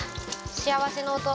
幸せの音！